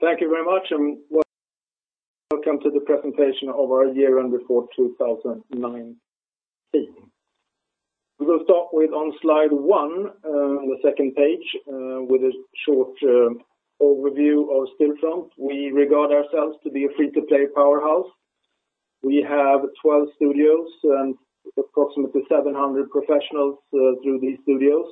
Thank you very much, and welcome to the presentation of our year-end report 2019. We will start with on slide one, on the second page, with a short overview of Stillfront. We regard ourselves to be a free-to-play powerhouse. We have 12 studios and approximately 700 professionals through these studios,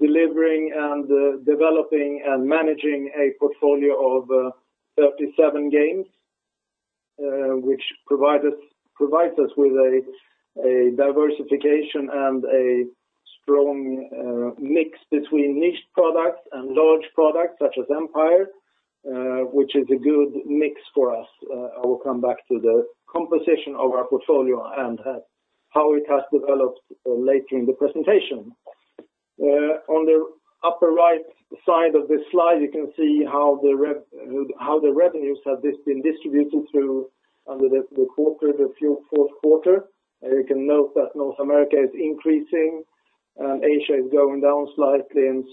delivering and developing and managing a portfolio of 37 games which provides us with a diversification and a strong mix between niche products and large products such as "Empire", which is a good mix for us. I will come back to the composition of our portfolio and how it has developed later in the presentation. On the upper right side of this slide, you can see how the revenues have been distributed through under the quarter, the Q4 quarter. You can note that North America is increasing and Asia is going down slightly and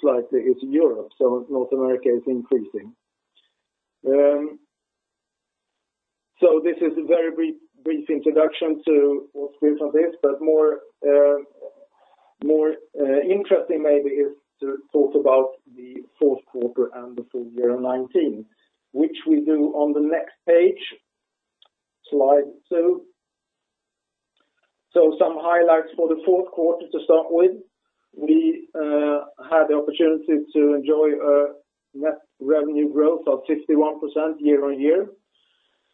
slightly is Europe, North America is increasing. This is a very brief introduction to what Stillfront is, but more interesting maybe is to talk about the fourth quarter and the full year 2019, which we do on the next page, slide two. Some highlights for the fourth quarter to start with. We had the opportunity to enjoy a net revenue growth of 61% year-on-year,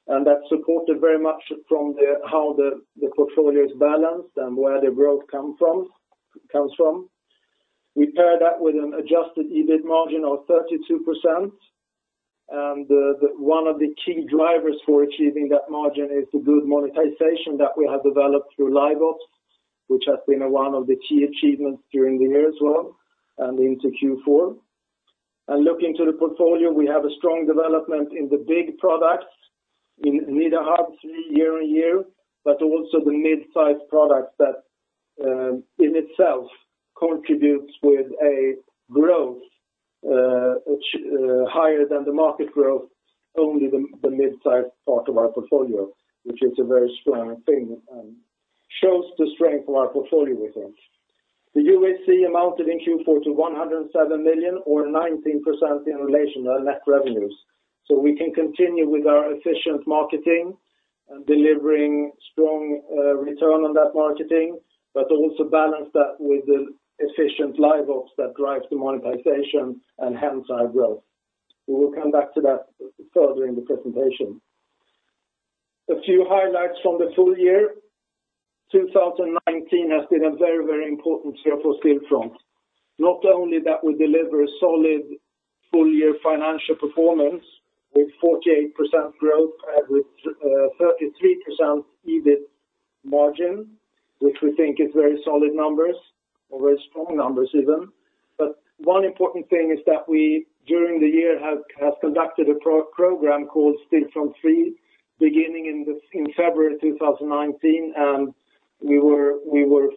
and that's supported very much from how the portfolio is balanced and where the growth comes from. We pair that with an adjusted EBIT margin of 32%, and one of the key drivers for achieving that margin is the good monetization that we have developed through LiveOps, which has been one of the key achievements during the year as well and into Q4. Looking to the portfolio, we have a strong development in the big products in Nida Harb year-on-year, but also the mid-size products that in itself contributes with a growth which is higher than the market growth, only the mid-size part of our portfolio, which is a very strong thing and shows the strength of our portfolio, we think. The UAC amounted in Q4 to 107 million or 19% in relation to our net revenues. We can continue with our efficient marketing and delivering strong return on that marketing, but also balance that with the efficient LiveOps that drives the monetization and hence our growth. We will come back to that further in the presentation. A few highlights from the full year. 2019 has been a very important year for Stillfront. We deliver a solid full-year financial performance with 48% growth and with 33% EBIT margin, which we think is very solid numbers or very strong numbers even. One important thing is that we, during the year, have conducted a program called Stillfront 3 beginning in February 2019, and we were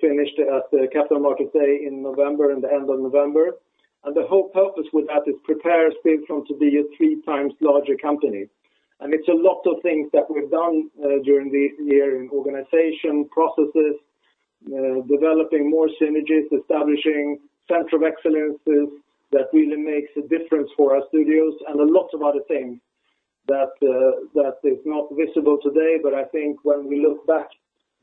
finished at the Capital Markets Day in November and the end of November. The whole purpose with that is prepare Stillfront to be a three times larger company. It's a lot of things that we've done during the year in organization processes, developing more synergies, establishing centers of excellence that really makes a difference for our studios and a lot of other things that is not visible today, but I think when we look back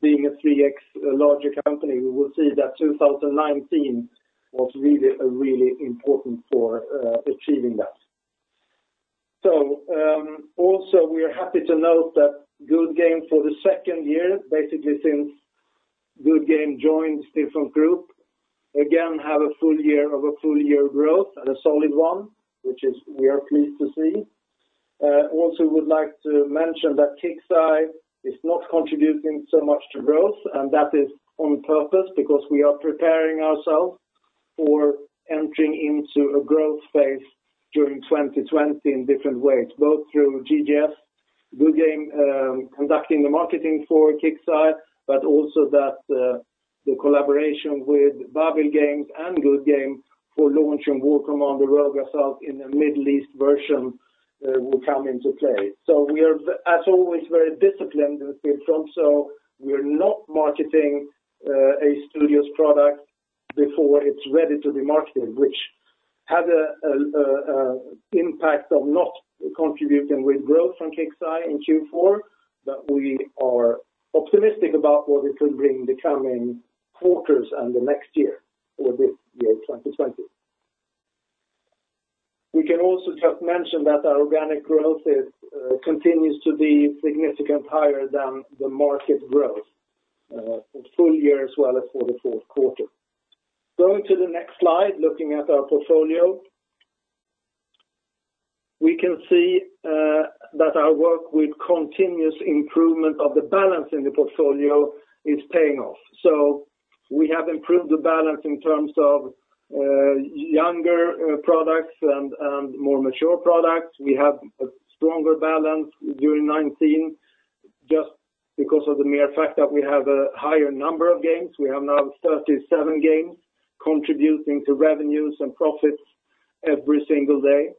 being a 3x larger company, we will see that 2019 was really important for achieving that. Also we are happy to note that Goodgame for the second year, basically since Goodgame joined Stillfront Group, again have a full year of a full-year growth and a solid one, which we are pleased to see. Also we would like to mention that KIXEYE is not contributing so much to growth, and that is on purpose because we are preparing ourselves for entering into a growth phase during 2020 in different ways, both through GGS, Goodgame conducting the marketing for KIXEYE, but also that the collaboration with Babil Games and Goodgame for launching War Commander: Rogue Assault in the Middle East version will come into play. We are, as always, very disciplined in Stillfront, so we are not marketing a studio's product before it's ready to be marketed, which had an impact of not contributing with growth from KIXEYE in Q4, but we are optimistic about what it will bring the coming quarters and the next year or this year, 2020. We can also just mention that our organic growth continues to be significantly higher than the market growth, full year as well as for the fourth quarter. Going to the next slide, looking at our portfolio. We can see that our work with continuous improvement of the balance in the portfolio is paying off. We have improved the balance in terms of younger products and more mature products. We have a stronger balance during 2019 just because of the mere fact that we have a higher number of games. We have now 37 games contributing to revenues and profits every single day.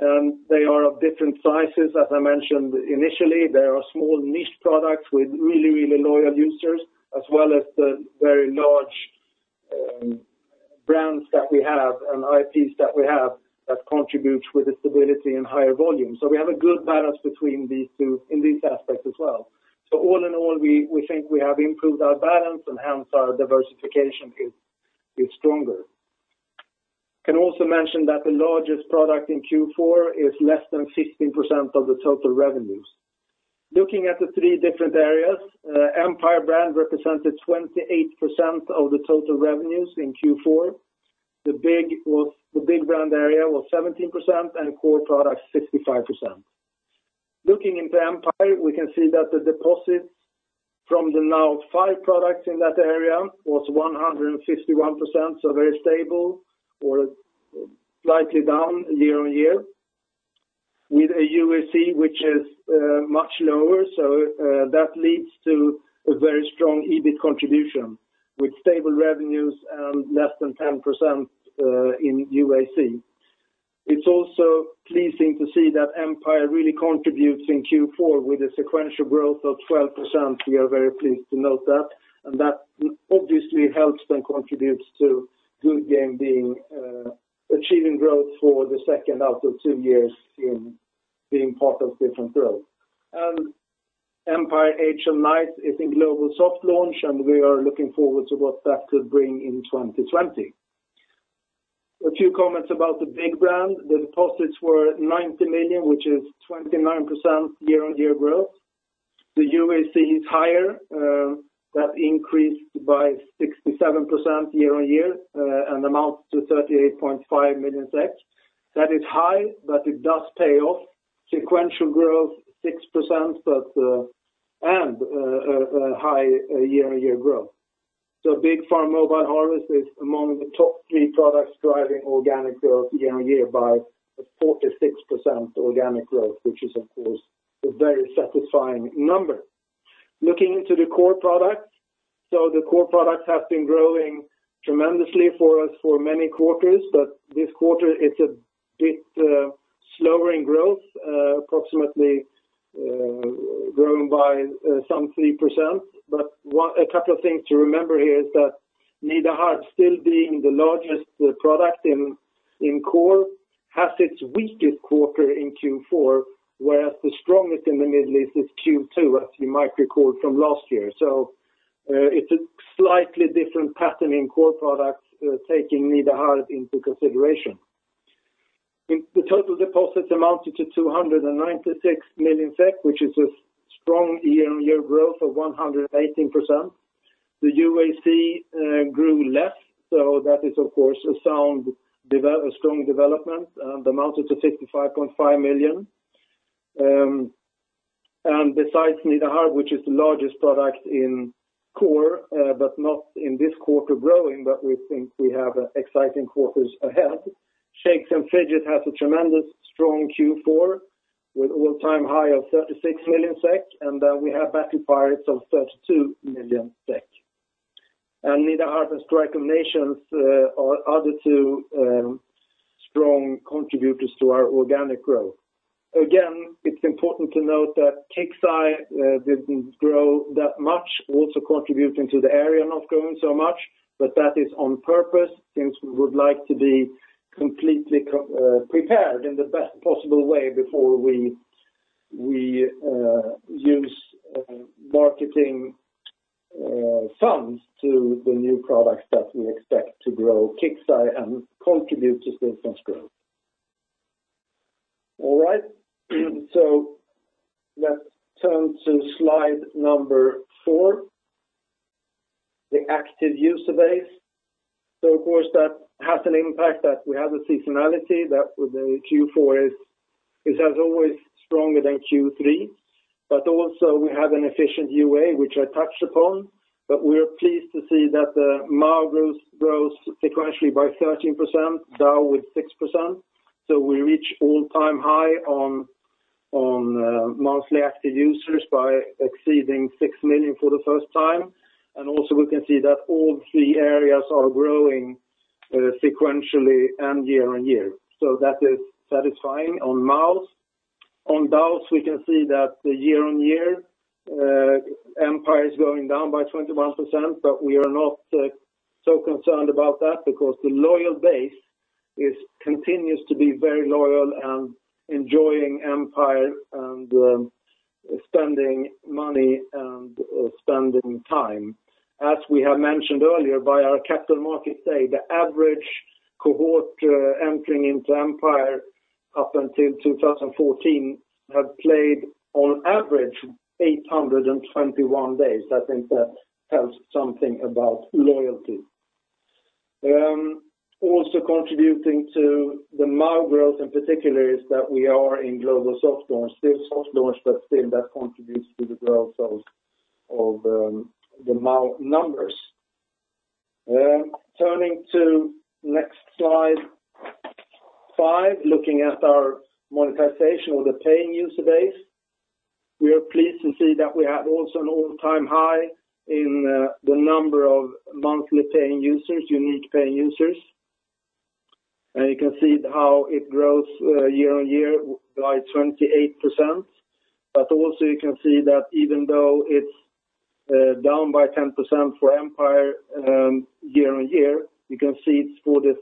They are of different sizes. As I mentioned initially, there are small niche products with really loyal users, as well as the very large brands that we have and IPs that we have that contribute with the stability and higher volume. We have a good balance between these two in these aspects as well. All in all, we think we have improved our balance and hence our diversification is stronger. Can also mention that the largest product in Q4 is less than 15% of the total revenues. Looking at the three different areas, Empire brand represented 28% of the total revenues in Q4. The Big brand area was 17% and Core products 65%. Looking into Empire, we can see that the deposits from the now five products in that area was 151%, very stable or slightly down year-on-year, with a UAC which is much lower. That leads to a very strong EBIT contribution with stable revenues and less than 10% in UAC. It's also pleasing to see that Empire really contributes in Q4 with a sequential growth of 12%. We are very pleased to note that, and that obviously helps and contributes to Goodgame Studios achieving growth for the second out of two years in being part of Stillfront Group. EMPIRE: Age of Knights is in global soft launch, and we are looking forward to what that could bring in 2020. A few comments about the Big Farm. The deposits were 90 million, which is 29% year-on-year growth. The UAC is higher. That increased by 67% year-on-year, and amounts to 38.5 million SEK. That is high, it does pay off sequential growth 6% and a high year-on-year growth. Big Farm: Mobile Harvest is among the top three products driving organic growth year-on-year by 46% organic growth, which is of course, a very satisfying number. Looking into the Core products. The Core products have been growing tremendously for us for many quarters, but this quarter it's a bit slower in growth, approximately growing by some 3%. A couple of things to remember here is that Nida Harb still being the largest product in Core, has its weakest quarter in Q4, whereas the strongest in the Middle East is Q2, as you might recall from last year. It's a slightly different pattern in Core products taking Nida Harb into consideration. The total deposits amounted to 296 million SEK, which is a strong year-on-year growth of 118%. The UAC grew less, so that is, of course, a strong development, amounted to 55.5 million. Besides Nida Harb which is the largest product in Core, but not in this quarter growing, but we think we have exciting quarters ahead. Shakes & Fidget has a tremendous strong Q4 with all-time high of 36 million SEK, and we have Battle Pirates of 32 million SEK. Nida Harb and Strike of Nations are the two strong contributors to our organic growth. Again, it is important to note that KIXEYE didn't grow that much, also contributing to the area not growing so much, but that is on purpose since we would like to be completely prepared in the best possible way before we use marketing funds to the new products that we expect to grow KIXEYE and contribute to still some growth. All right. Let's turn to slide number four, the active user base. Of course that has an impact that we have a seasonality that with the Q4 is as always stronger than Q3, but also we have an efficient UA, which I touched upon, but we are pleased to see that the MAU growth sequentially by 13%, DAU with 6%. We reach all-time high on monthly active users by exceeding 6 million for the first time. Also we can see that all three areas are growing sequentially and year-on-year. That is satisfying on MAUs. On DAUs, we can see that the year-on-year Empire is going down by 21%, but we are not so concerned about that because the loyal base continues to be very loyal and enjoying Empire and spending money and spending time. As we have mentioned earlier, by our capital market say, the average cohort entering into Empire up until 2014 had played on average 821 days. I think that tells something about loyalty. Also contributing to the MAU growth in particular is that we are in global soft launch. Still soft launch, but still that contributes to the growth of the MAU numbers. Turning to next slide five, looking at our monetization of the paying user base. We are pleased to see that we have also an all-time high in the number of monthly paying users, unique paying users. You can see how it grows year-on-year by 28%. Also you can see that even though it's down by 10% for Empire year-on-year, you can see it's for the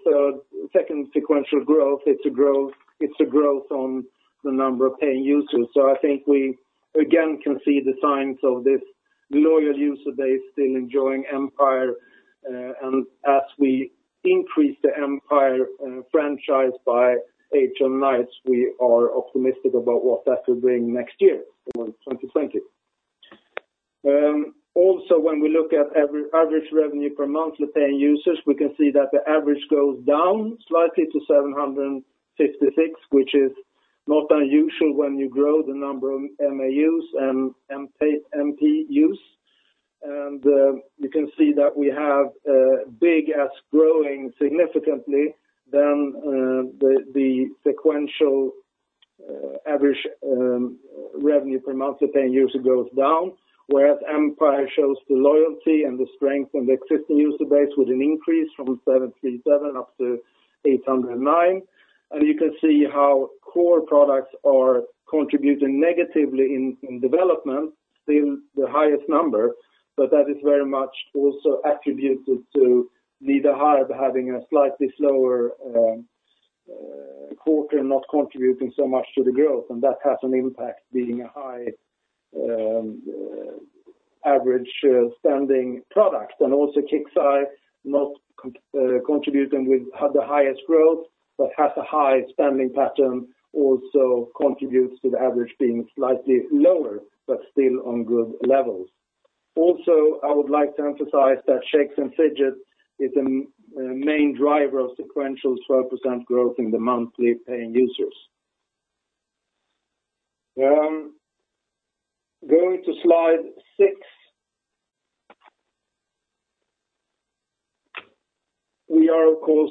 second sequential growth. It's a growth on the number of paying users. I think we again can see the signs of this loyal user base still enjoying Empire. As we increase the Empire franchise by Age of Knights, we are optimistic about what that will bring next year in 2020. Also, when we look at every average revenue per monthly paying users, we can see that the average goes down slightly to 756, which is not unusual when you grow the number of MAUs and MPUs. You can see that we have Big Farm growing significantly than the sequential average revenue per monthly paying user goes down, whereas Empire shows the loyalty and the strength and the existing user base with an increase from 737 up to 809. You can see how core products are contributing negatively in development, still the highest number, but that is very much also attributed to Nida Harb having a slightly slower quarter, not contributing so much to the growth. That has an impact being a high average spending product. Also KIXEYE not contributing with the highest growth, but has a high spending pattern also contributes to the average being slightly lower, but still on good levels. Also, I would like to emphasize that Shakes & Fidget is a main driver of sequential 12% growth in the monthly paying users. Going to slide six. We are of course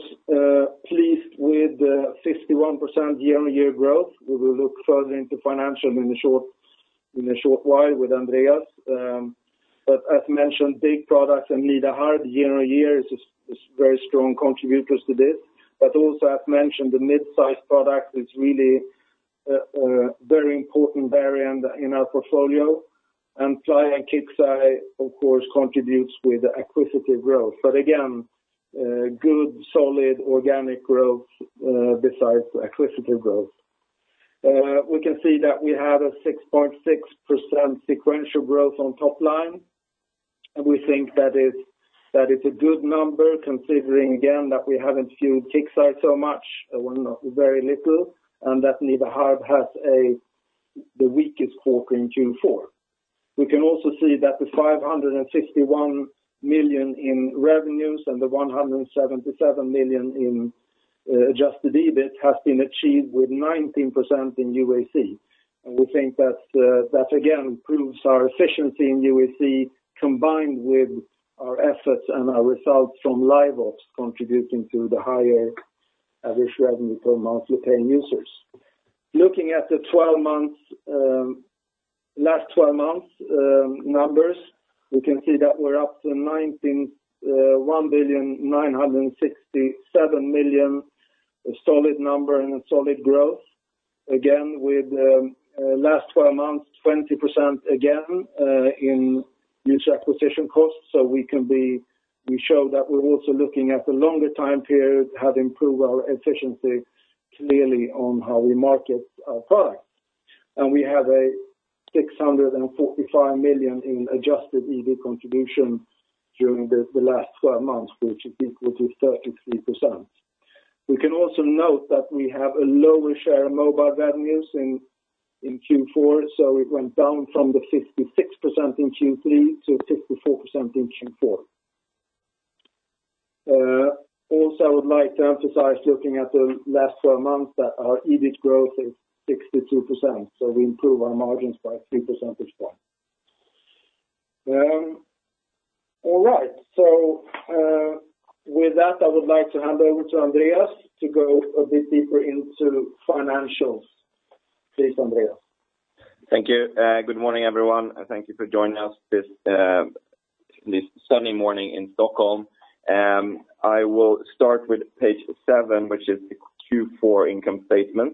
pleased with the 51% year-on-year growth. We will look further into financial in a short while with Andreas. As mentioned, big products and Nida Harb year-on-year is very strong contributors to this. Also as mentioned, the mid-size product is really a very important variant in our portfolio. Playa and KIXEYE of course contributes with acquisitive growth. Again, good solid organic growth besides acquisitive growth. We can see that we have a 6.6% sequential growth on top line. We think that is a good number considering again that we haven't fueled KIXEYE so much, or very little, and that Nida Harb has the weakest quarter in Q4. We can also see that the 561 million in revenues and the 177 million in adjusted EBIT has been achieved with 19% in UAC. We think that again proves our efficiency in UAC combined with our efforts and our results from LiveOps contributing to the higher average revenue per monthly paying users. Looking at the last 12 months numbers, we can see that we're up to 1,967 million, a solid number and a solid growth. With last 12 months, 20% again in user acquisition costs. We show that we're also looking at the longer time period have improved our efficiency clearly on how we market our products. We have a 645 million in adjusted EBIT contribution during the last 12 months, which is equal to 33%. We can also note that we have a lower share of mobile revenues in Q4, so it went down from the 56% in Q3 to 54% in Q4. I would like to emphasize looking at the last 12 months that our EBIT growth is 62%. We improve our margins by 3 percentage points. All right. With that, I would like to hand over to Andreas to go a bit deeper into financials. Please, Andreas. Thank you. Good morning, everyone. Thank you for joining us this sunny morning in Stockholm. I will start with page seven, which is the Q4 income statement.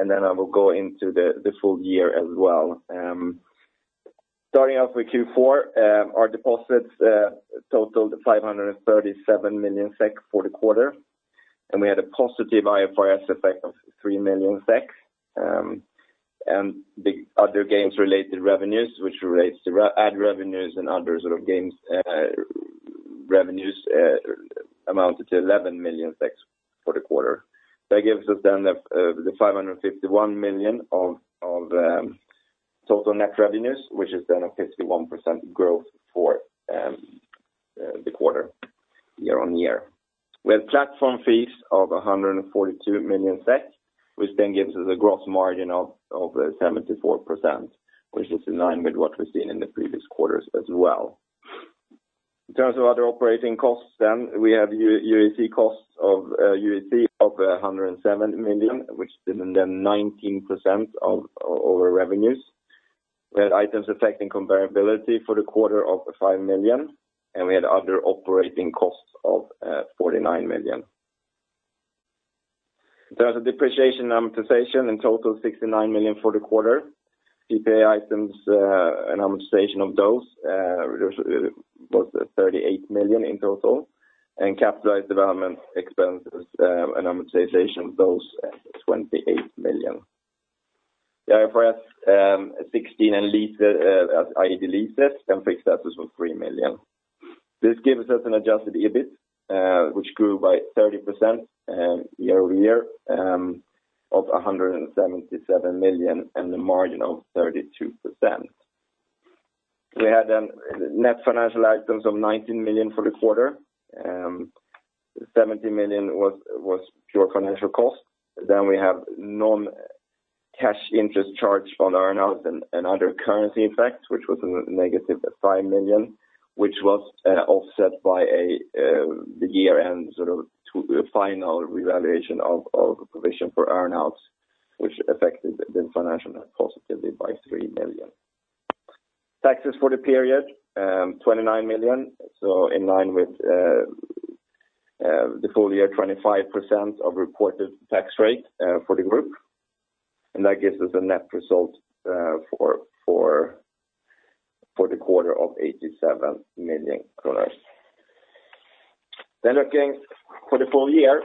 I will go into the full year as well. Starting off with Q4, our deposits totaled 537 million SEK for the quarter. We had a positive IFRS effect of 3 million SEK. The other games-related revenues, which relates to ad revenues and other sort of games revenues amounted to 11 million for the quarter. That gives us the 551 million of total net revenues, which is a 51% growth for the quarter year-on-year. With platform fees of 142 million SEK, which then gives us a gross margin of 74%, which is in line with what we've seen in the previous quarters as well. In terms of other operating costs then, we have UAC costs of 107 million, which is then 19% of our revenues. We had items affecting comparability for the quarter of 5 million. We had other operating costs of 49 million. In terms of depreciation and amortization, in total 69 million for the quarter. PPA items and amortization of those was 38 million in total. Capitalized development expenses and amortization of those, 28 million. The IFRS 16 and i.e. leases and fixed assets was 3 million. This gives us an adjusted EBIT, which grew by 30% year-over-year of 177 million and a margin of 32%. We had net financial items of 19 million for the quarter. 70 million was pure financial cost. We have non-cash interest charged on earn-outs and other currency effects, which was a negative 5 million, which was offset by the year-end final revaluation of the provision for earn-outs, which affected the financial net positively by 3 million. Taxes for the period, 29 million, in line with the full year 25% of reported tax rate for the group. That gives us a net result for the quarter of 87 million kronor. Looking for the full year,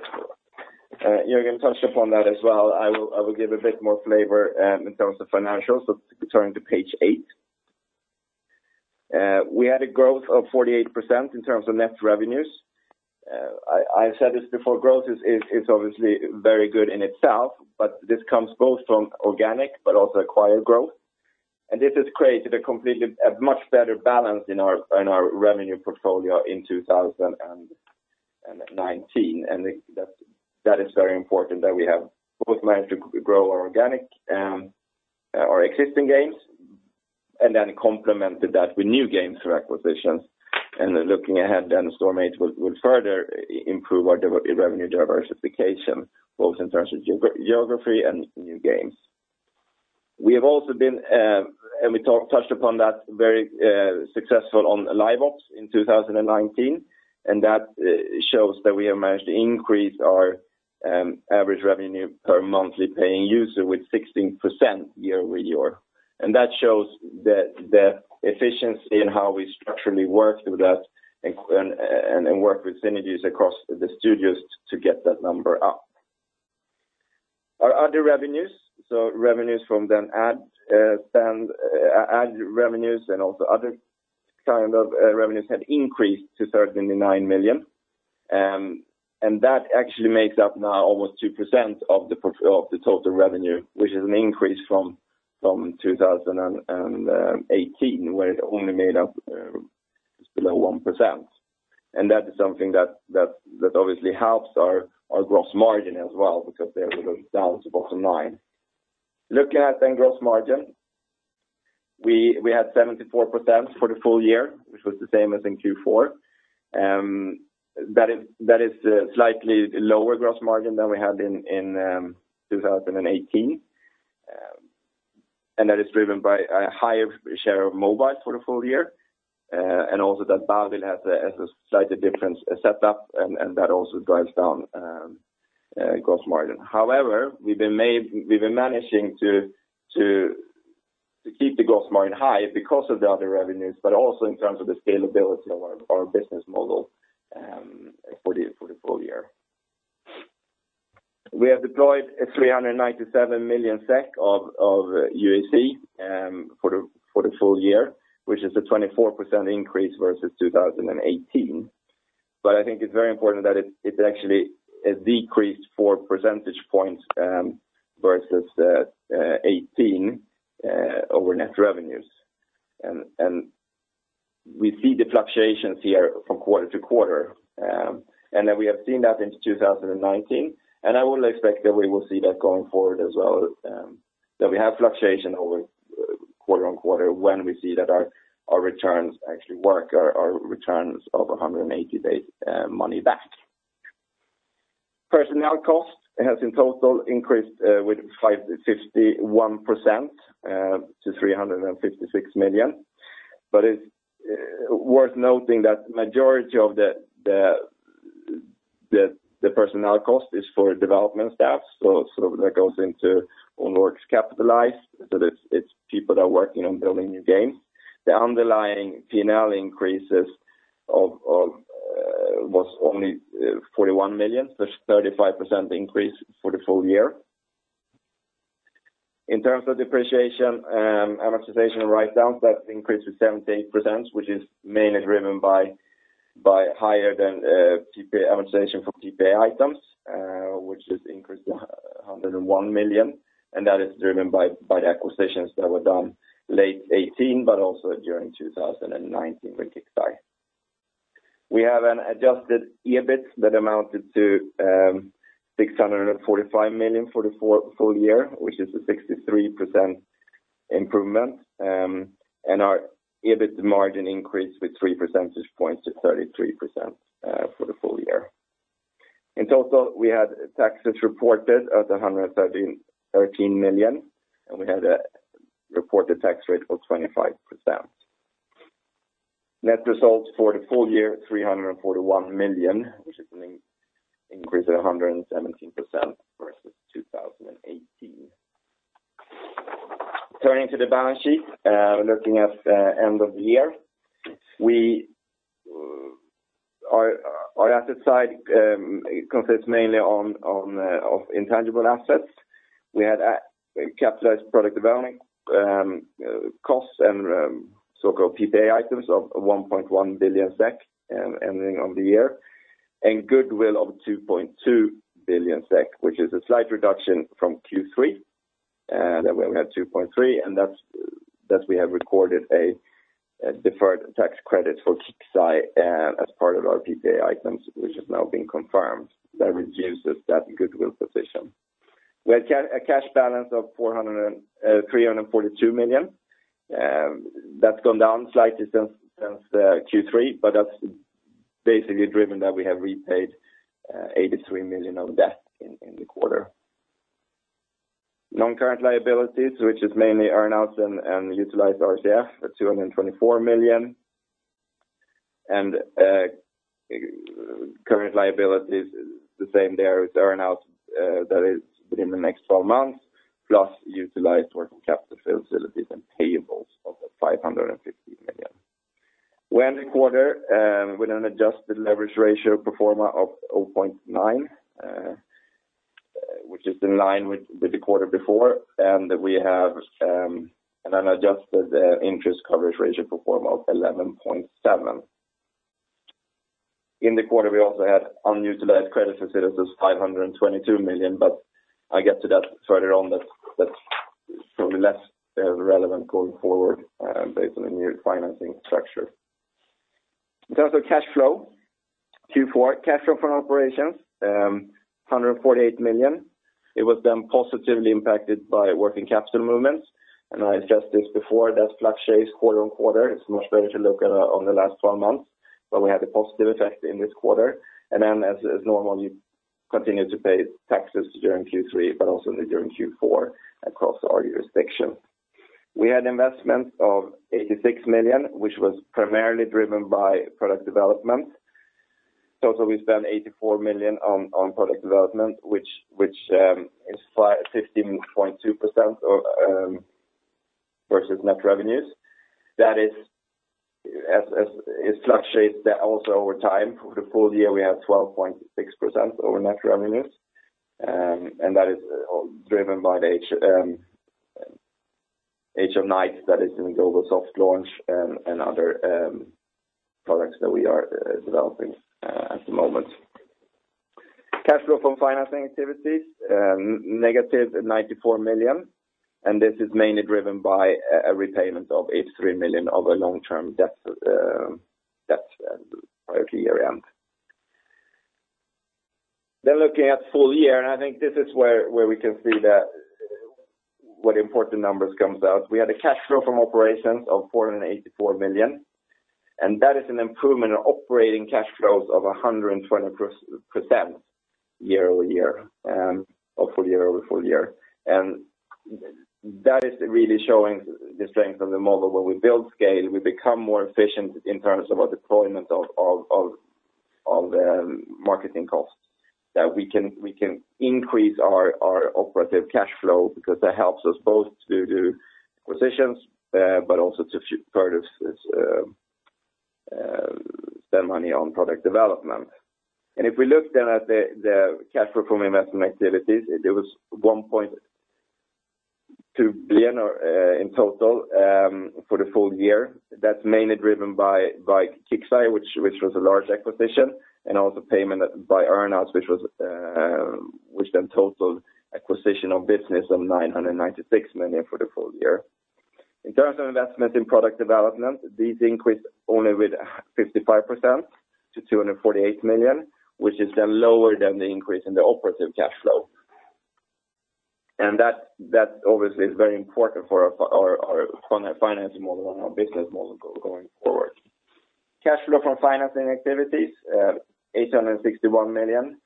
Jörgen touched upon that as well. I will give a bit more flavor in terms of financials, turning to page eight. We had a growth of 48% in terms of net revenues. I said this before, growth is obviously very good in itself, this comes both from organic, but also acquired growth. This has created a much better balance in our revenue portfolio in 2019. That is very important that we have both managed to grow our organic, our existing games, and then complemented that with new games through acquisitions. Looking ahead, Storm8 will further improve our revenue diversification, both in terms of geography and new games. We have also been, and we touched upon that, very successful on the LiveOps in 2019, and that shows that we have managed to increase our average revenue per monthly paying user with 16% year-over-year. That shows the efficiency in how we structurally work with that and work with synergies across the studios to get that number up. Our other revenues, so revenues from then ad spend, ad revenues, and also other kind of revenues had increased to 39 million. That actually makes up now almost 2% of the total revenue, which is an increase from 2018, where it only made up below 1%. That is something that obviously helps our gross margin as well because they're down to bottom line. Looking at then gross margin, we had 74% for the full year, which was the same as in Q4. That is a slightly lower gross margin than we had in 2018. That is driven by a higher share of mobile for the full year, and also that Babil has a slightly different setup, and that also drives down gross margin. However, we've been managing to keep the gross margin high because of the other revenues, but also in terms of the scalability of our business model for the full year. We have deployed 397 million SEK of UAC for the full year, which is a 24% increase versus 2018. I think it's very important that it actually decreased four percentage points versus 2018 over net revenues. We see the fluctuations here from quarter to quarter, and that we have seen that into 2019, and I would expect that we will see that going forward as well, that we have fluctuation over quarter on quarter when we see that our returns actually work, our returns of 180-day money back. Personnel cost has in total increased with 51% to 356 million. It's worth noting that majority of the personnel cost is for development staff, so that goes into own works capitalized. It's people that are working on building new games. The underlying P&L increases was only 41 million, so it's 35% increase for the full year. In terms of depreciation, amortization, write-downs, that increased to 78%, which is mainly driven by higher than PPA amortization for PPA items, which has increased to 101 million, that is driven by the acquisitions that were done late 2018, also during 2019 with KIXEYE. We have an adjusted EBIT that amounted to 645 million for the full year, which is a 63% improvement. Our EBIT margin increased with three percentage points to 33% for the full year. In total, we had taxes reported at 113 million, we had a reported tax rate of 25%. Net results for the full year, 341 million, which is an increase of 117% versus 2018. Turning to the balance sheet, looking at end of the year. Our asset side consists mainly of intangible assets. We had capitalized product development costs and so-called PPA items of 1.1 billion SEK ending of the year. Goodwill of 2.2 billion SEK, which is a slight reduction from Q3, where we had 2.3 billion, and that we have recorded a deferred tax credit for KIXEYE as part of our PPA items, which has now been confirmed, that reduces that goodwill position. We had a cash balance of 342 million. That's gone down slightly since Q3, but that's basically driven that we have repaid 83 million of debt in the quarter. Non-current liabilities, which is mainly earn-outs and utilized RCF at 224 million. Current liabilities is the same there with earn-out that is within the next 12 months, plus utilized working capital facilities and payables of 550 million. We end the quarter with an adjusted leverage ratio pro forma of 0.9, which is in line with the quarter before. We have an adjusted interest coverage ratio pro forma of 11.7. In the quarter, we also had unutilized credit facilities, 522 million, but I'll get to that further on. That's probably less relevant going forward based on the new financing structure. In terms of cash flow. Q4 cash flow from operations, 148 million. It was then positively impacted by working capital movements. I addressed this before, that fluctuates quarter on quarter. It's much better to look at on the last 12 months. But we had a positive effect in this quarter. Then as normal, you continue to pay taxes during Q3, but also during Q4 across our jurisdiction. We had investments of 86 million, which was primarily driven by product development. Total, we spent 84 million on product development, which is 15.2% versus net revenues. That fluctuates also over time. For the full year, we have 12.6% over net revenues. That is driven by Age of Knights that is in global soft launch and other products that we are developing at the moment. Cash flow from financing activities, negative 94 million. This is mainly driven by a repayment of 83 million of a long-term debt prior to year-end. Looking at full year, I think this is where we can see what important numbers comes out. We had a cash flow from operations of 484 million, that is an improvement in operating cash flows of 120% full year-over-full year. That is really showing the strength of the model where we build scale, we become more efficient in terms of our deployment of the marketing costs. That we can increase our operative cash flow because that helps us both to do acquisitions, but also to spend money on product development. If we look then at the cash flow from investment activities, it was 1.2 billion in total for the full year. That's mainly driven by KIXEYE, which was a large acquisition, and also payment by earn-outs, which then totaled acquisition of business of 996 million for the full year. In terms of investment in product development, these increased only with 55% to 248 million, which is then lower than the increase in the operative cash flow. That obviously is very important for our funding financing model and our business model going forward. Cash flow from financing activities, 861 million.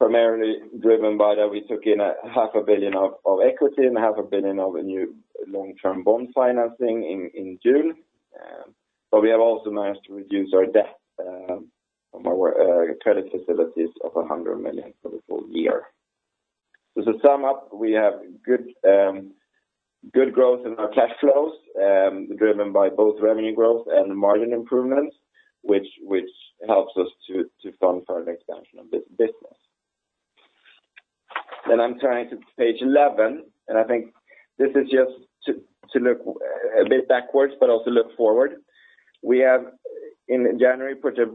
Primarily driven by that we took in 500 million of equity and 500 million of new long-term bond financing in June. We have also managed to reduce our debt from our credit facilities of 100 million for the full year. To sum up, we have good growth in our cash flows, driven by both revenue growth and margin improvements, which helps us to fund further expansion of this business. I'm turning to page 11, and I think this is just to look a bit backwards but also look forward. We have in January put a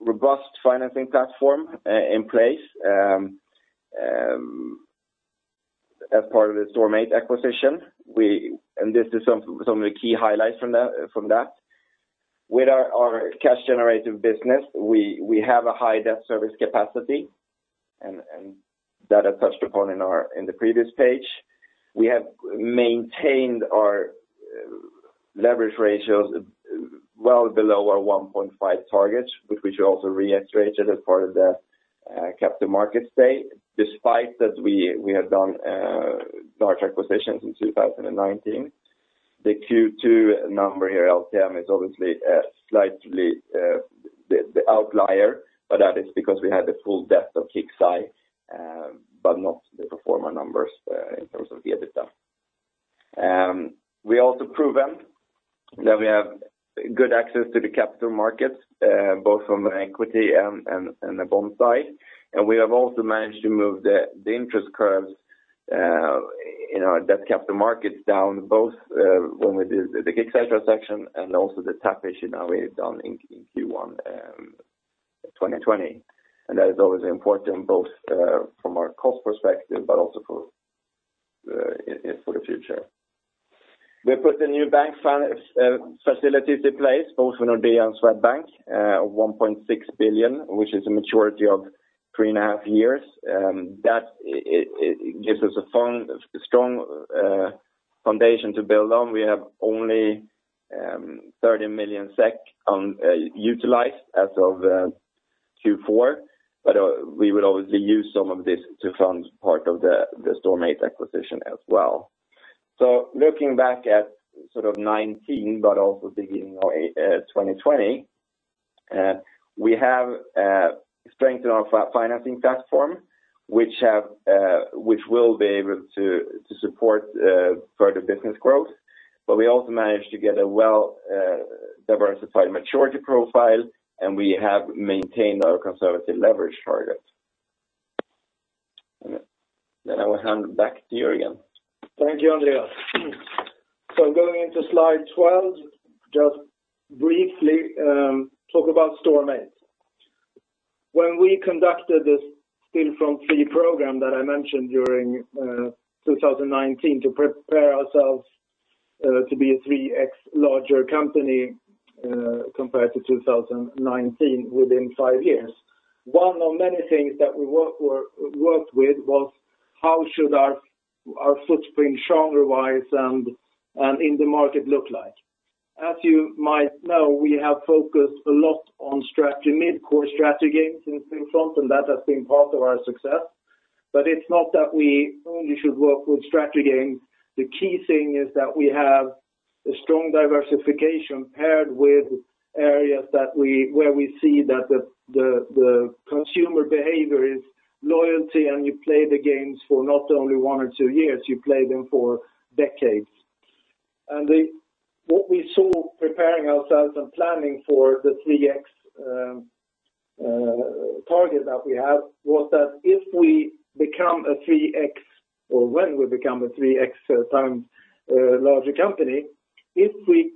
robust financing platform in place as part of the Storm8 acquisition. This is some of the key highlights from that. With our cash generative business, we have a high debt service capacity, and that I touched upon in the previous page. We have maintained our leverage ratios well below our 1.5 targets, which we also reiterated as part of the capital markets day, despite that we have done large acquisitions in 2019. The Q2 number here, LTM, is obviously slightly the outlier, but that is because we had the full depth of KIXEYE, but not the pro forma numbers in terms of the EBITDA. We also proven that we have good access to the capital markets, both from the equity and the bond side. We have also managed to move the interest curves in our debt capital markets down, both when we did the KIXEYE transaction and also the tap issue now we've done in Q1 2020. That is always important both from our cost perspective but also for the future. We put the new bank facilities in place, both Nordea and Swedbank, 1.6 billion, which is a maturity of three and a half years. That gives us a strong foundation to build on. We have only 30 million SEK utilized as of Q4, but we would obviously use some of this to fund part of the Storm8 acquisition as well. Looking back at sort of 2019, but also beginning of 2020, we have strengthened our financing platform, which will be able to support further business growth. We also managed to get a well-diversified maturity profile, and we have maintained our conservative leverage targets. I will hand back to Jörgen. Thank you, Andreas. Going into slide 12, just briefly talk about Storm8. When we conducted this Stillfront 3 program that I mentioned during 2019 to prepare ourselves to be a 3x larger company compared to 2019 within five years, one of many things that we worked with was how should our footprint genre-wise and in the market look like. As you might know, we have focused a lot on mid-core strategy games in Stillfront, and that has been part of our success. It's not that we only should work with strategy games. The key thing is that we have a strong diversification paired with areas where we see that the consumer behavior is loyalty, and you play the games for not only one or two years, you play them for decades. What we saw preparing ourselves and planning for the 3x target that we have was that if we become a 3x or when we become a 3x times larger company, if we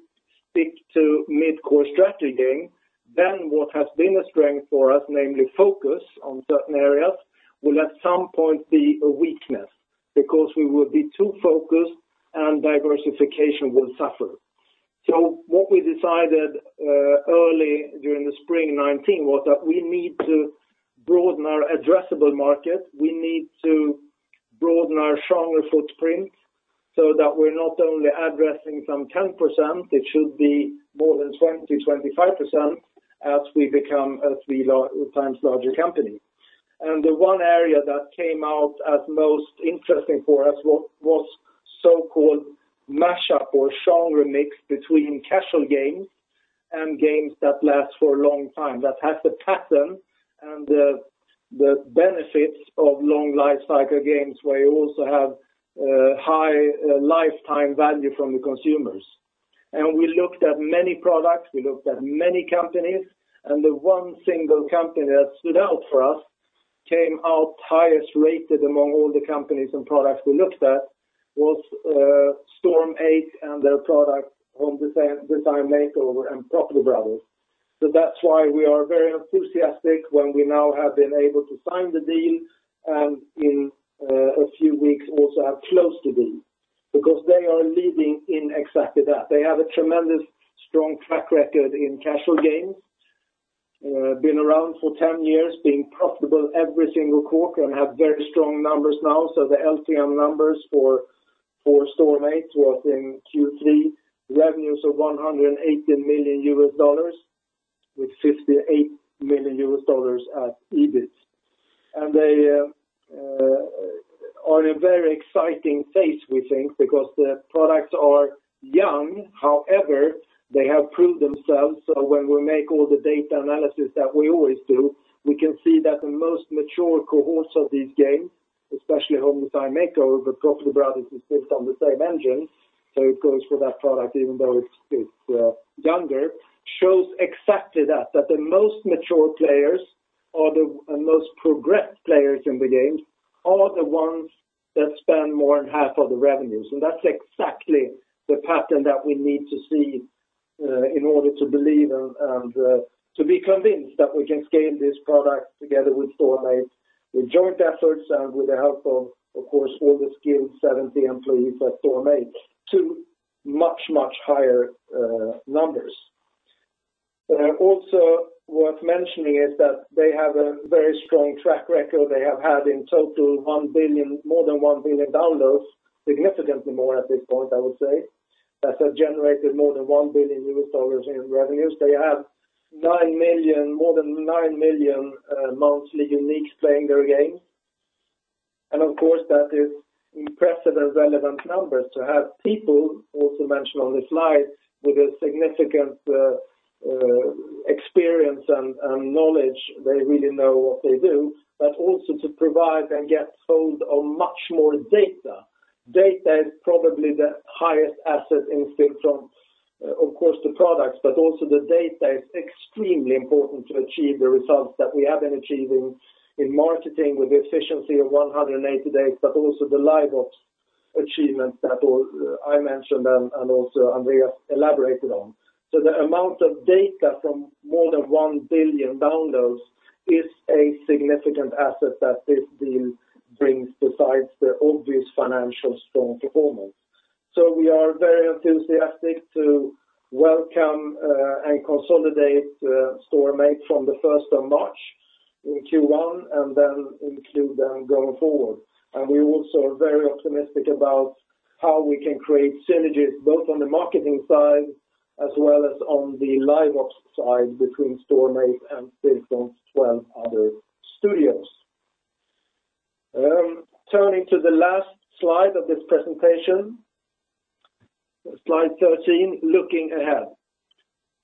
stick to mid-core strategy game, then what has been a strength for us, namely focus on certain areas, will at some point be a weakness because we will be too focused and diversification will suffer. What we decided early during the spring 2019 was that we need to broaden our addressable market. We need to broaden our genre footprint so that we're not only addressing some 10%, it should be more than 20%, 25% as we become a 3x larger company. The one area that came out as most interesting for us was so-called mashup or genre mix between casual games and games that last for a long time, that have the pattern and the benefits of long lifecycle games where you also have high lifetime value from the consumers. We looked at many products, we looked at many companies, and the one single company that stood out for us, came out highest rated among all the companies and products we looked at was Storm8 and their product Home Design Makeover and Property Brothers. That's why we are very enthusiastic when we now have been able to sign the deal and in a few weeks also have closed the deal because they are leading in exactly that. They have a tremendous strong track record in casual games, been around for 10 years, being profitable every single quarter, have very strong numbers now. The LTM numbers for Storm8 was in Q3, revenues of $118 million with $58 million at EBIT. They are in a very exciting phase, we think, because the products are young. However, they have proved themselves when we make all the data analysis that we always do, we can see that the most mature cohorts of these games, especially Home Design Makeover, Property Brothers is based on the same engine, so it goes for that product even though it's younger, shows exactly that. That the most mature players or the most progressed players in the games are the ones that spend more than half of the revenues. That's exactly the pattern that we need to see in order to believe and to be convinced that we can scale this product together with Storm8. With joint efforts and with the help of course, all the skilled 70 employees at Storm8 to much higher numbers. Also worth mentioning is that they have a very strong track record. They have had in total more than 1 billion downloads, significantly more at this point, I would say. That has generated more than $1 billion in revenues. They have more than 9 million monthly unique playing their games. Of course, that is impressive and relevant numbers to have people also mentioned on this slide with a significant experience and knowledge. They really know what they do, but also to provide and get hold of much more data. Data is probably the highest asset in Stillfront, of course, the products, but also the data is extremely important to achieve the results that we have been achieving in marketing with the efficiency of 180 days, but also the LiveOps achievements that I mentioned and also Andreas elaborated on. The amount of data from more than 1 billion downloads is a significant asset that this deal brings besides the obvious financial strong performance. We are very enthusiastic to welcome and consolidate Storm8 from the 1st of March in Q1 and then include them going forward. We also are very optimistic about how we can create synergies both on the marketing side as well as on the LiveOps side between Storm8 and Stillfront's 12 other studios. Turning to the last slide of this presentation, slide 13, looking ahead.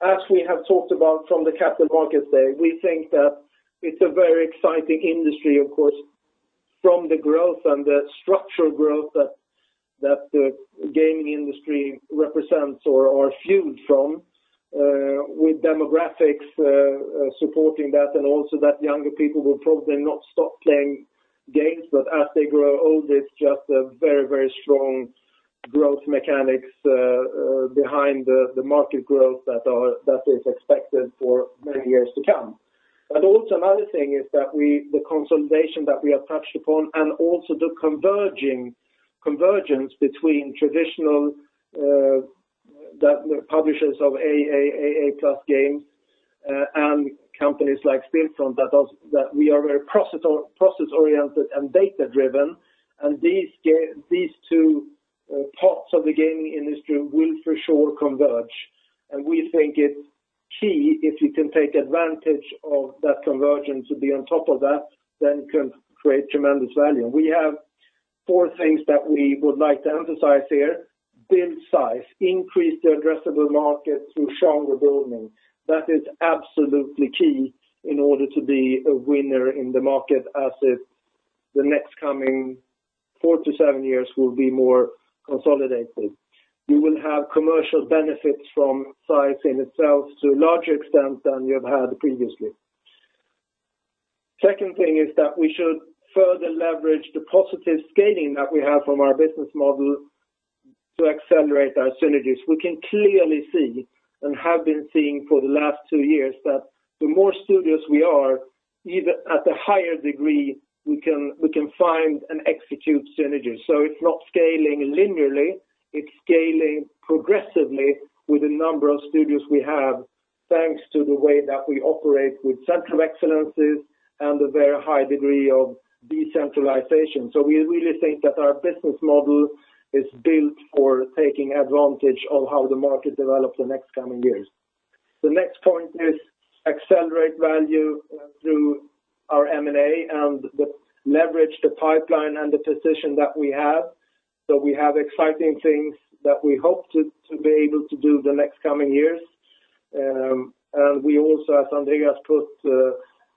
As we have talked about from the Capital Markets Day, we think that it's a very exciting industry, of course, from the growth and the structural growth that the gaming industry represents or are fueled from with demographics supporting that, also that younger people will probably not stop playing games, but as they grow old, it's just a very strong growth mechanics behind the market growth that is expected for many years to come. Also another thing is that the consolidation that we have touched upon, also the convergence between traditional publishers of AAA+ games and companies like Stillfront, that we are very process-oriented and data-driven. These two parts of the gaming industry will for sure converge. We think it's key if you can take advantage of that convergence to be on top of that, then can create tremendous value. We have four things that we would like to emphasize here. Build size, increase the addressable market through stronger building. That is absolutely key in order to be a winner in the market as if the next coming four to seven years will be more consolidated. You will have commercial benefits from size in itself to a larger extent than you have had previously. Second thing is that we should further leverage the positive scaling that we have from our business model to accelerate our synergies. We can clearly see and have been seeing for the last two years that the more studios we are, either at a higher degree, we can find and execute synergies. It's not scaling linearly, it's scaling progressively with the number of studios we have thanks to the way that we operate with centers of excellence and a very high degree of decentralization. We really think that our business model is built for taking advantage of how the market develops the next coming years. The next point is accelerate value through our M&A and leverage the pipeline and the position that we have. We have exciting things that we hope to be able to do the next coming years. We also, as Andreas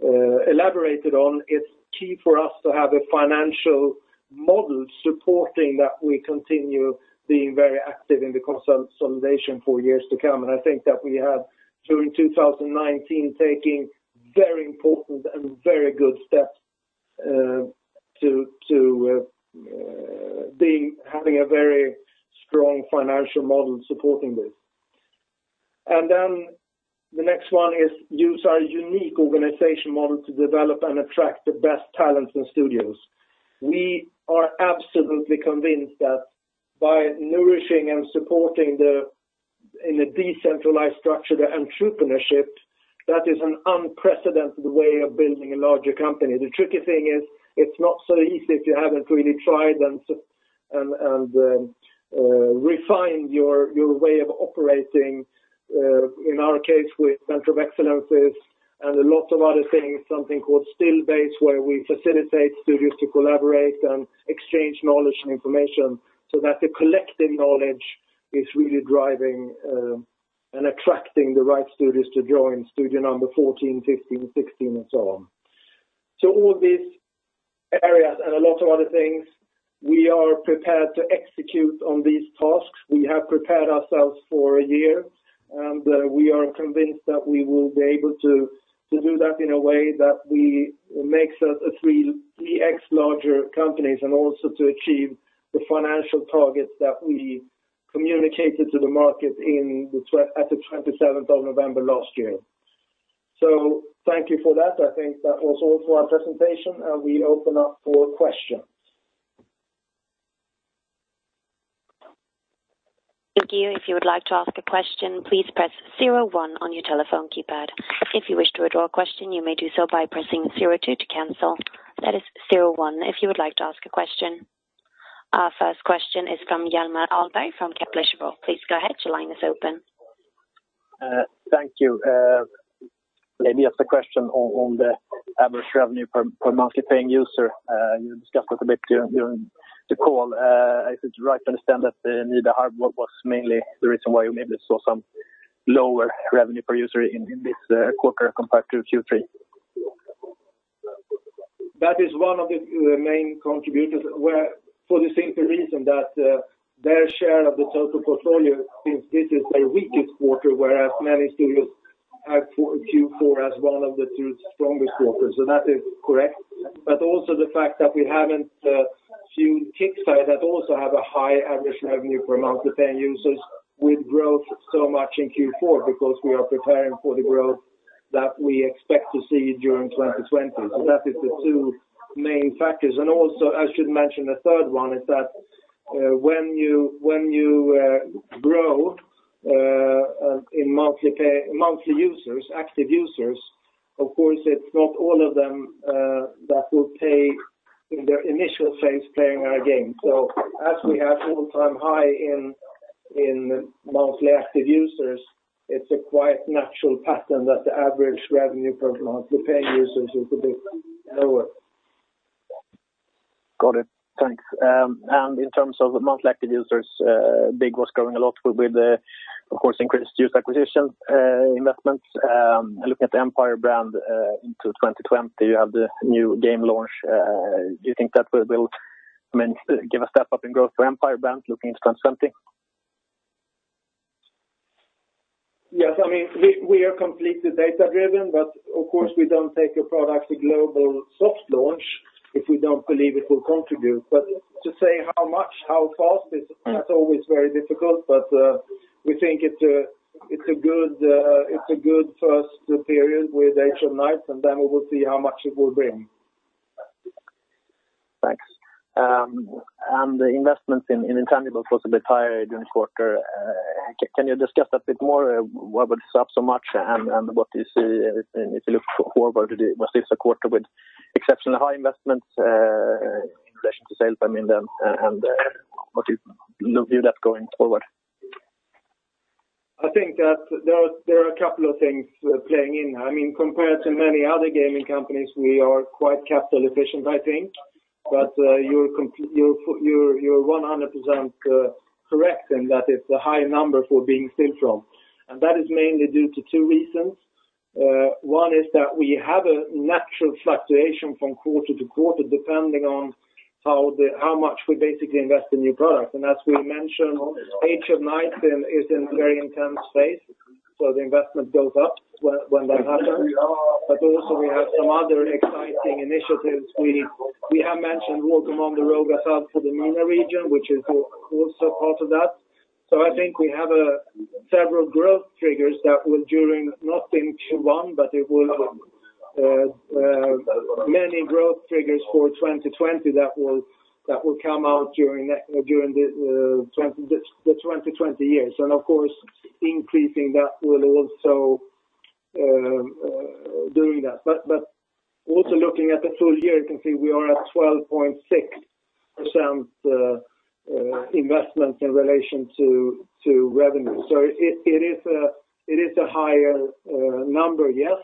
elaborated on, it's key for us to have a financial model supporting that we continue being very active in the consolidation for years to come. I think that we have during 2019, taking very important and very good steps to having a very strong financial model supporting this. The next one is use our unique organization model to develop and attract the best talents in studios. We are absolutely convinced that by nourishing and supporting in a decentralized structure, the entrepreneurship, that is an unprecedented way of building a larger company. The tricky thing is it is not so easy if you have not really tried and refined your way of operating, in our case, with centers of excellence and a lot of other things, something called Still Base, where we facilitate studios to collaborate and exchange knowledge and information so that the collective knowledge is really driving and attracting the right studios to join studio number 14, 15, 16, and so on. All these areas and a lot of other things, we are prepared to execute on these tasks. We have prepared ourselves for a year. We are convinced that we will be able to do that in a way that makes us a 3x larger companies and also to achieve the financial targets that we communicated to the market at the 27th of November last year. Thank you for that. I think that was all for our presentation. We open up for questions. Thank you. If you would like to ask a question, please press zero one on your telephone keypad. If you wish to withdraw a question, you may do so by pressing zero two to cancel. That is zero one if you would like to ask a question. Our first question is from Hjalmar Ahlberg from Kepler Cheuvreux. Please go ahead. Your line is open. Thank you. Let me ask a question on the average revenue per monthly paying user. You discussed this a bit during the call. If it is right to understand that Nida Harb was mainly the reason why you maybe saw some lower revenue per user in this quarter compared to Q3? That is one of the main contributors, for the simple reason that their share of the total portfolio, since this is their weakest quarter, whereas many studios have Q4 as one of the two strongest quarters. Also the fact that we haven't seen KIXEYE that also have a high average revenue per monthly paying users with growth so much in Q4 because we are preparing for the growth that we expect to see during 2020. That is the two main factors. Also, I should mention a third one is that when you grow in monthly users, active users, of course, it's not all of them that will pay in their initial phase playing our game. As we have all-time high in monthly active users, it's a quite natural pattern that the average revenue per monthly paying users is a bit lower. Got it. Thanks. In terms of monthly active users, Big Farm was growing a lot with the, of course, increased user acquisition investments. Looking at the Empire brand into 2020, you have the new game launch. Do you think that will give a step up in growth for Empire brand looking into 2020? Yes. We are completely data-driven, but of course, we don't take a product to global soft launch if we don't believe it will contribute. To say how much, how fast, that's always very difficult. We think it's a good first period with Age of Knights, and then we will see how much it will bring. Thanks. The investments in intangibles was a bit higher during the quarter. Can you discuss that a bit more? What would it be up so much? If you look forward, was this a quarter with exceptionally high investments in relation to sales? What is your view that going forward? I think that there are a couple of things playing in. Compared to many other gaming companies, we are quite capital efficient, I think. You're 100% correct in that it's a high number for being Stillfront. That is mainly due to two reasons. One is that we have a natural fluctuation from quarter to quarter, depending on how much we basically invest in new products. As we mentioned, Age of Knights is in a very intense phase, the investment goes up when that happens. Also we have some other exciting initiatives. We have mentioned Walk Commander: Rogue Assault for the MENA region, which is also part of that. I think we have several growth triggers that will during nothing Q1, but it will many growth triggers for 2020 that will come out during the 2020 years. Of course, increasing that will also doing that. Also looking at the full year, you can see we are at 12.6% investment in relation to revenue. It is a higher number, yes,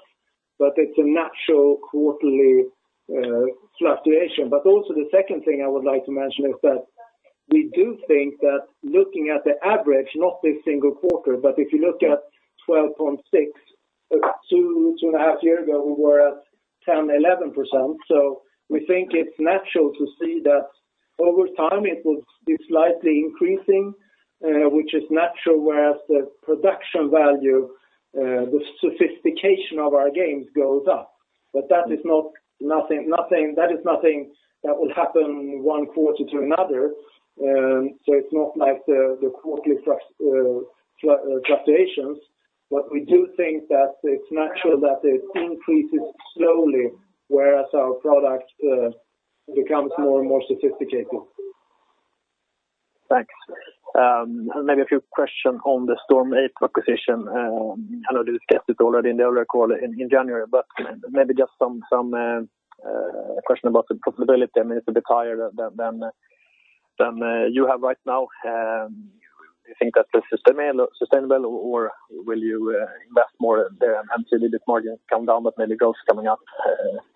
but it's a natural quarterly fluctuation. Also the second thing I would like to mention is that we do think that looking at the average, not this single quarter, but if you look at 12.6%, two and a half years ago, we were at 10%, 11%. We think it's natural to see that over time it will be slightly increasing, which is natural, whereas the production value, the sophistication of our games goes up. That is nothing that will happen one quarter to another. It's not like the quarterly fluctuations, but we do think that it's natural that it increases slowly, whereas our product becomes more and more sophisticated. Thanks. Maybe a few question on the Storm8 acquisition. I know you discussed it already in the other call in January, but maybe just some question about the profitability. I mean, it's a bit higher than you have right now. Do you think that this is sustainable, or will you invest more there until this margin come down, but maybe growth coming up?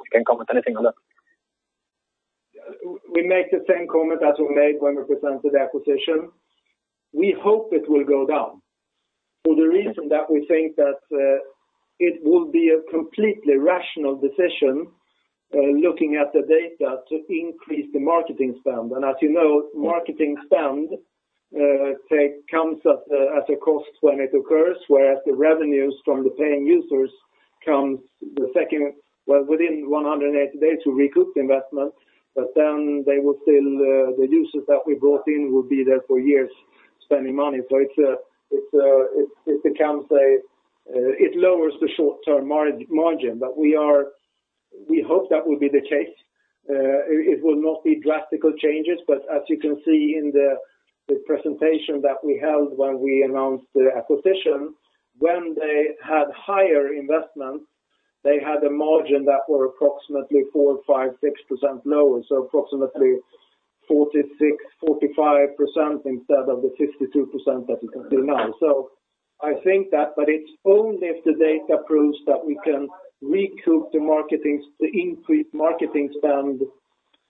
You can comment anything on that. We make the same comment as we made when we presented the acquisition. We hope it will go down for the reason that we think that it will be a completely rational decision, looking at the data to increase the marketing spend. As you know, marketing spend comes at a cost when it occurs, whereas the revenues from the paying users comes the second, well within 180 days we recoup the investment, the users that we brought in will be there for years spending money. It lowers the short-term margin, but we hope that will be the case. It will not be drastic changes, as you can see in the presentation that we held when we announced the acquisition, when they had higher investment, they had a margin that were approximately 4%, 5%, 6% lower, so approximately 46%, 45% instead of the 52% that it is now. I think that, but it's only if the data proves that we can recoup the increased marketing spend,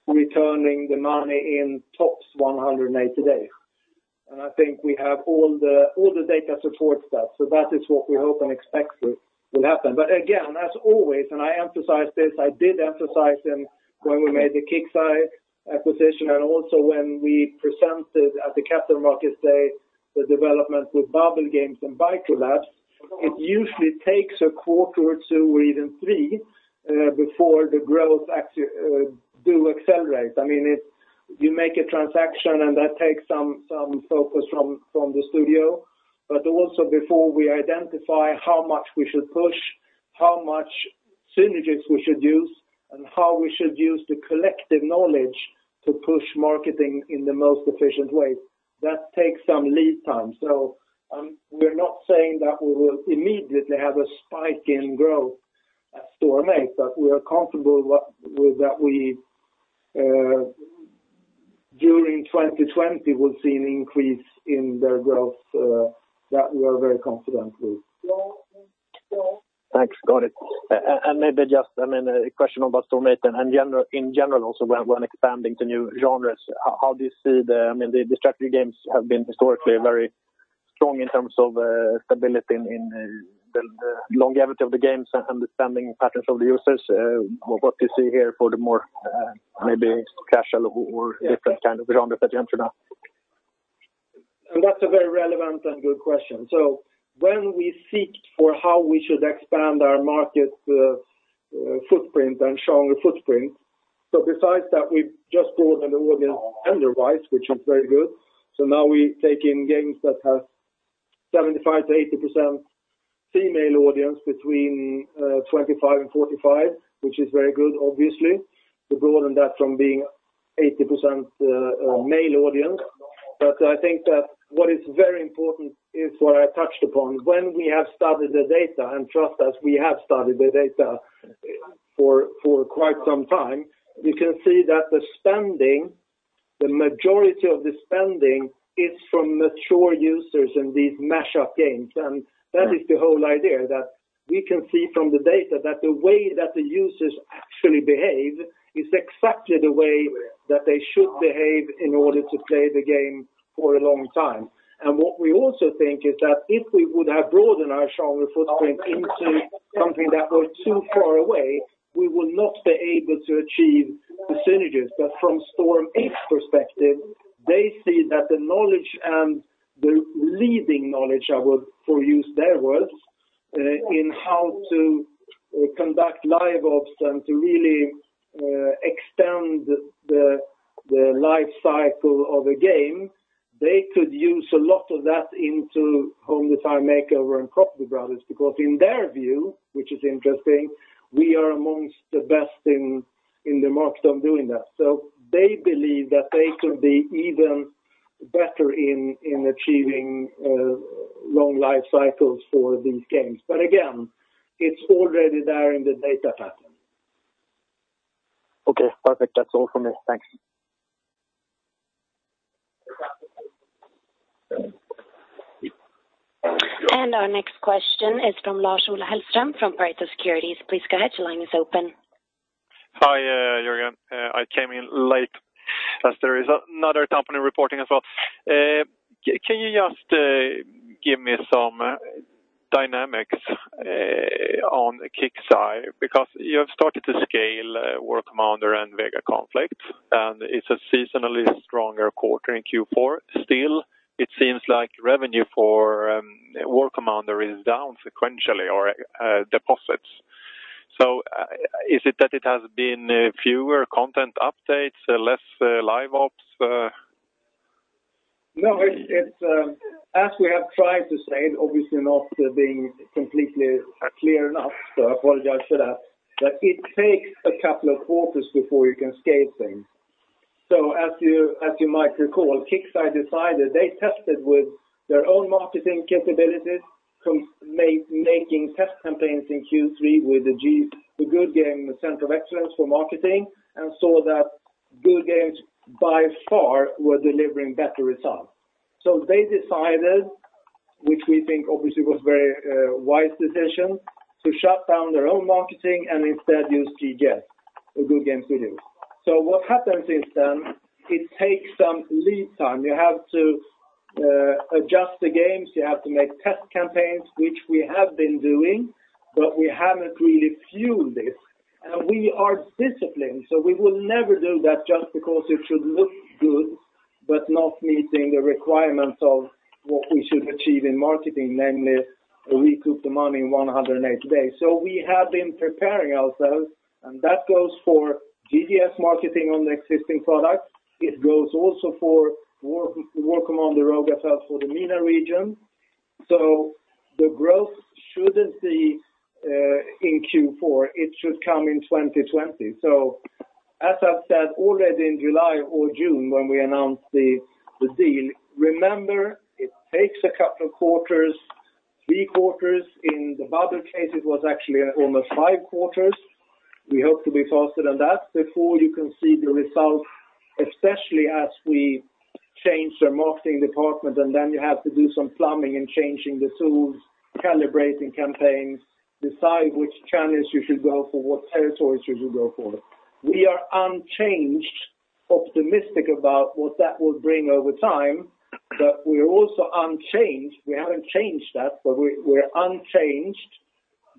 returning the money in tops 180 days. I think we have all the data supports that. That is what we hope and expect will happen. Again, as always, and I emphasize this, I did emphasize when we made the KIXEYE acquisition, and also when we presented at the Capital Markets Day, the development with Babil Games and Bytro Labs, it usually takes a quarter or two or even three, before the growth do accelerate. You make a transaction and that takes some focus from the studio, but also before we identify how much we should push, how much synergies we should use, and how we should use the collective knowledge to push marketing in the most efficient way. That takes some lead time. We're not saying that we will immediately have a spike in growth at Storm8, but we are comfortable with that during 2020, we'll see an increase in their growth, that we are very confident with. Thanks. Got it. Maybe just a question about Storm8, and in general also when expanding to new genres, how do you see the strategy games have been historically very strong in terms of stability in the longevity of the games, understanding patterns of the users. What do you see here for the more maybe casual or different kind of genres that you enter now? That's a very relevant and good question. When we seek for how we should expand our market footprint and stronger footprint, so besides that, we've just brought an audience gender-wise, which is very good. Now we take in games that have 75%-80% female audience between 25 and 45, which is very good, obviously, to broaden that from being 80% male audience. I think that what is very important is what I touched upon. When we have studied the data, and trust us, we have studied the data for quite some time, you can see that the majority of the spending is from mature users in these mashup games. That is the whole idea, that we can see from the data that the way that the users actually behave is exactly the way that they should behave in order to play the game for a long time. What we also think is that if we would have broadened our genre footprint into something that was too far away, we would not be able to achieve the synergies. From Storm8's perspective, they see that the knowledge and the leading knowledge, I will use their words, in how to conduct LiveOps and to really extend the life cycle of a game, they could use a lot of that into Home Design Makeover and Property Brothers, because in their view, which is interesting, we are amongst the best in the market on doing that. They believe that they could be even better in achieving long life cycles for these games. Again, it's already there in the data pattern. Okay, perfect. That's all from me. Thanks. Our next question is from Lars-Ola Hellström from Pareto Securities. Please go ahead, your line is open. Hi Jörgen. I came in late as there is another company reporting as well. Can you just give me some dynamics on KIXEYE because you have started to scale War Commander and VEGA Conflict, and it's a seasonally stronger quarter in Q4. It seems like revenue for War Commander is down sequentially or deposits. Is it that it has been fewer content updates, less LiveOps? No, as we have tried to say, obviously not being completely clear enough, so I apologize for that, but it takes a couple of quarters before you can scale things. As you might recall, KIXEYE decided, they tested with their own marketing capabilities, making test campaigns in Q3 with the Goodgame centers of excellence for marketing, and saw that Goodgame Studios by far were delivering better results. They decided, which we think obviously was very wise decision, to shut down their own marketing and instead use Goodgame Studios. What happens is then it takes some lead time. You have to adjust the games. You have to make test campaigns, which we have been doing, but we haven't really fueled it. We are disciplined, so we will never do that just because it should look good, but not meeting the requirements of what we should achieve in marketing, namely recoup the money in 180 days. We have been preparing ourselves, and that goes for GGS marketing on the existing products. It goes also for War Commander and Rogue Assault for the MENA region. The growth shouldn't be in Q4, it should come in 2020. As I've said already in July or June when we announced the deal, remember, it takes a couple of quarters, three quarters. In the Babil case, it was actually almost five quarters. We hope to be faster than that before you can see the results, especially as we change the marketing department, and then you have to do some plumbing and changing the tools, calibrating campaigns, decide which channels you should go for, what territories you should go for. We are unchanged, optimistic about what that will bring over time, but we're also unchanged. We haven't changed that, but we're unchanged,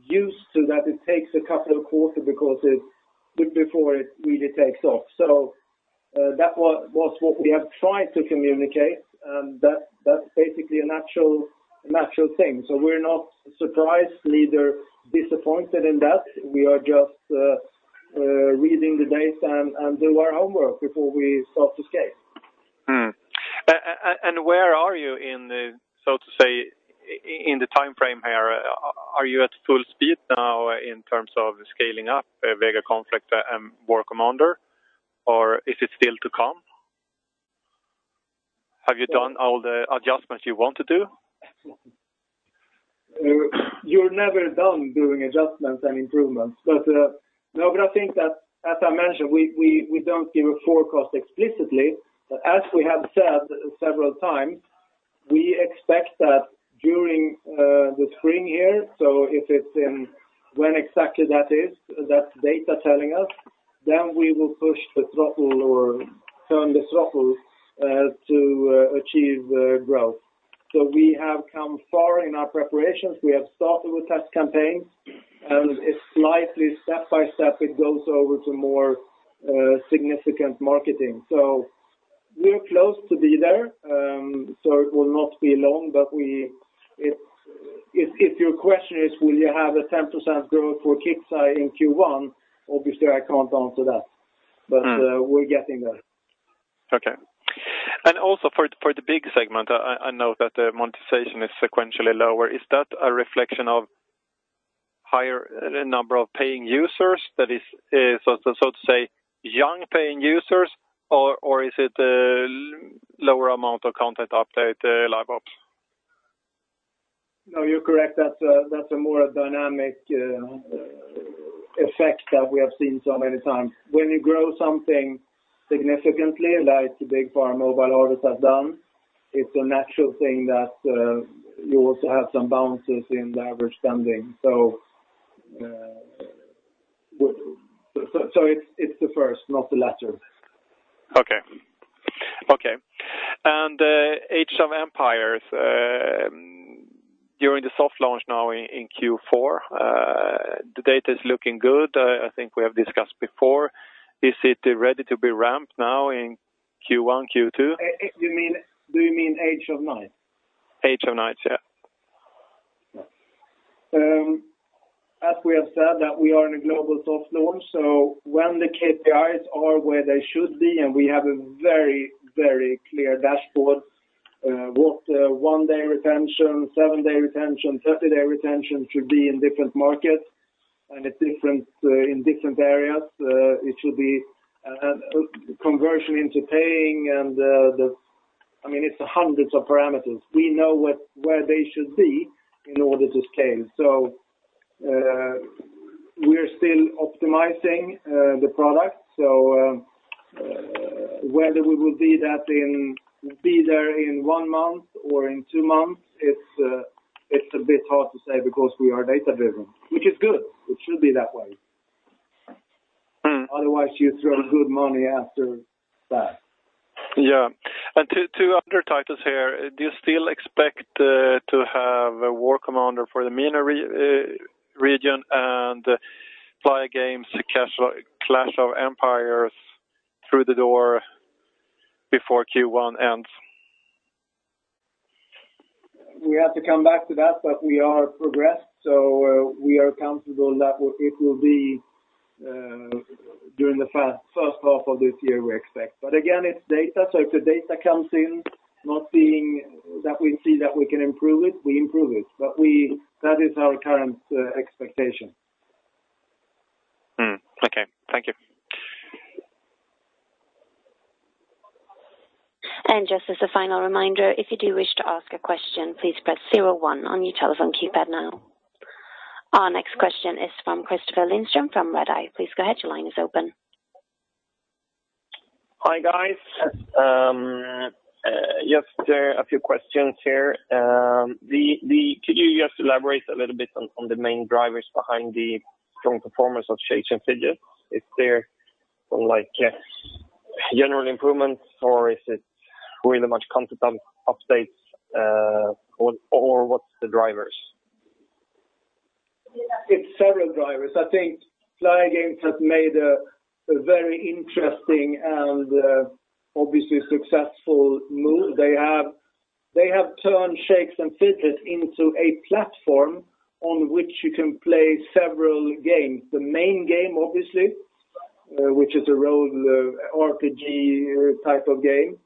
used to that it takes a couple of quarters before it really takes off. That was what we have tried to communicate, and that's basically a natural thing. We're not surprised, neither disappointed in that. We are just reading the data and do our homework before we start to scale. Where are you in the timeframe here? Are you at full speed now in terms of scaling up VEGA Conflict and War Commander, or is it still to come? Have you done all the adjustments you want to do? You're never done doing adjustments and improvements. I think that, as I mentioned, we don't give a forecast explicitly, as we have said several times, we expect that during the spring here, so when exactly that is, that's data telling us, we will push the throttle or turn the throttle to achieve growth. We have come far in our preparations. We have started with test campaigns, it's slightly step-by-step it goes over to more significant marketing. We're close to be there. It will not be long. If your question is will you have a 10% growth for KIXEYE in Q1? Obviously, I can't answer that. We're getting there. Okay. Also for the Big Farm segment, I know that the monetization is sequentially lower. Is that a reflection of higher number of paying users that is so to say young paying users or is it a lower amount of content update, the LiveOps? No, you're correct. That's a more dynamic effect that we have seen so many times. When you grow something significantly, like the Big Farm: Mobile Harvest has done, it's a natural thing that you also have some balances in the average spending. It's the first, not the latter. Okay. Age of Empires, during the soft launch now in Q4, the data is looking good, I think we have discussed before. Is it ready to be ramped now in Q1, Q2? Do you mean Age of Knights? Age of Knights, yeah. As we have said that we are in a global soft launch, when the KPIs are where they should be, and we have a very clear dashboard, what one-day retention, seven-day retention, 30-day retention should be in different markets and in different areas. It should be conversion into paying and it's hundreds of parameters. We know where they should be in order to scale. We are still optimizing the product. Whether we will be there in one month or in two months, it's a bit hard to say because we are data-driven, which is good. It should be that way. Otherwise, you throw good money after bad. Yeah. Two other titles here, do you still expect to have a War Commander for the MENA region and Playa Games Clash of Empires through the door before Q1 ends? We have to come back to that, but we are progressed, so we are comfortable that it will be during the first half of this year, we expect. Again, it's data, so if the data comes in, not being that we see that we can improve it, we improve it. That is our current expectation. Okay. Thank you. Just as a final reminder, if you do wish to ask a question, please press zero one on your telephone keypad now. Our next question is from Kristoffer Lindström from Redeye. Please go ahead. Your line is open. Hi, guys. Just a few questions here. Could you just elaborate a little bit on the main drivers behind the strong performance of Shakes & Fidget? Is there General improvements, or is it really much content updates, or what's the drivers? It's several drivers. I think Playa Games has made a very interesting and obviously successful move. They have turned Shakes & Fidget into a platform on which you can play several games. The main game, obviously, which is a role RPG type of game,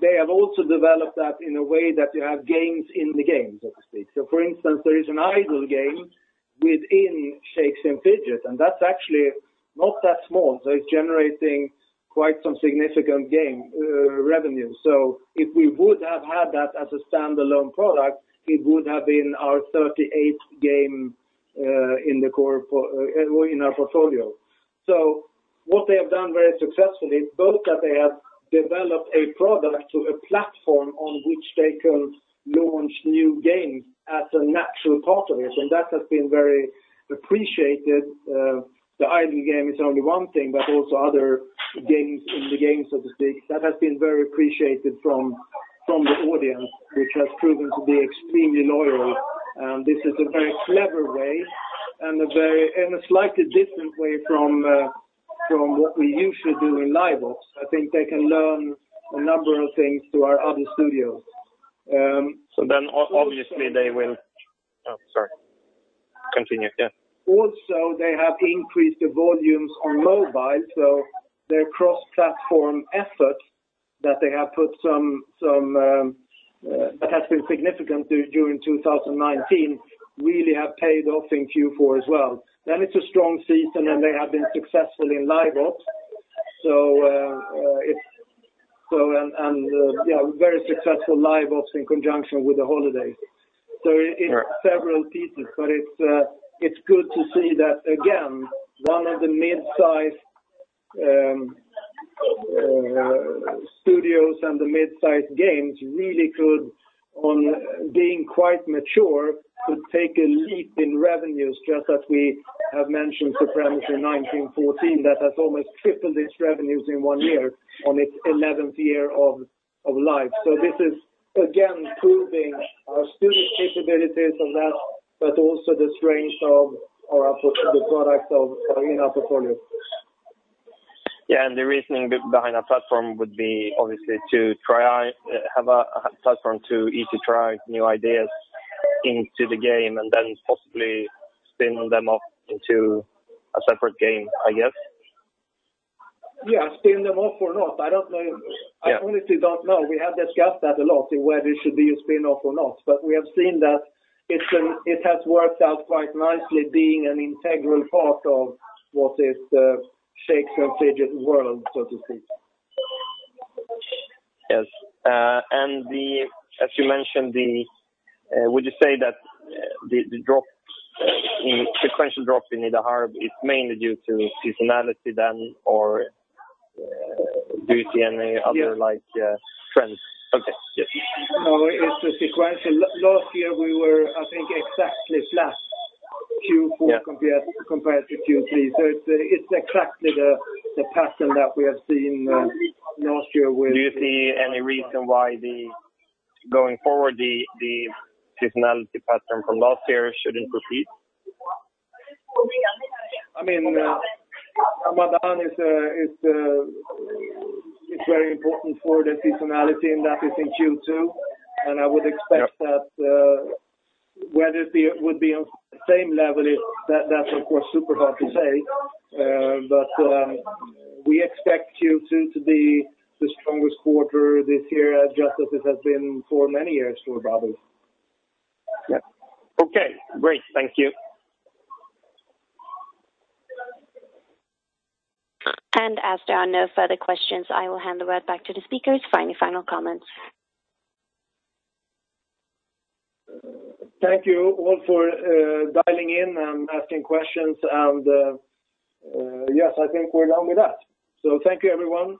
they have also developed that in a way that you have games in the game, so to speak. For instance, there is an idle game within Shakes & Fidget, and that's actually not that small. It's generating quite some significant game revenue. If we would have had that as a standalone product, it would have been our 38th game in our portfolio. What they have done very successfully is both that they have developed a product to a platform on which they can launch new games as a natural part of it, and that has been very appreciated. The idle game is only one thing, but also other games in the game, so to speak, that has been very appreciated from the audience, which has proven to be extremely loyal. This is a very clever way and a slightly different way from what we usually do in LiveOps. I think they can learn a number of things to our other studios. Obviously. Oh, sorry. Continue. Yeah. They have increased the volumes on mobile, their cross-platform effort that has been significant during 2019 really have paid off in Q4 as well. It's a strong season, they have been successful in LiveOps, very successful LiveOps in conjunction with the holidays. It is several pieces, but it's good to see that again, one of the midsize studios and the midsize games really could, on being quite mature, could take a leap in revenues, just as we have mentioned Supremacy 1914, that has almost tripled its revenues in one year on its 11th year of life. This is again, proving our studio capabilities on that, but also the strength of the products in our portfolio. Yeah, the reasoning behind our platform would be obviously to have a platform to easily try new ideas into the game and then possibly spin them off into a separate game, I guess. Yeah, spin them off or not, I honestly don't know. We have discussed that a lot, whether it should be a spin-off or not, but we have seen that it has worked out quite nicely being an integral part of what is the Shakes & Fidget world, so to speak. Yes. Would you say that the sequential drop in Nida harb is mainly due to seasonality then, or do you see any other trends? Okay, yes. No, it's a sequential. Last year, we were, I think, exactly flat Q4 compared to Q3. It's exactly the pattern that we have seen last year. Do you see any reason why going forward, the seasonality pattern from last year shouldn't repeat? Ramadan is very important for the seasonality, and that is in Q2. I would expect that whether it would be on the same level, that's of course super hard to say. We expect Q2 to be the strongest quarter this year, just as it has been for many years for Bytro. Yeah. Okay, great. Thank you. As there are no further questions, I will hand the word back to the speakers for any final comments. Thank you all for dialing in and asking questions. Yes, I think we're done with that. Thank you, everyone.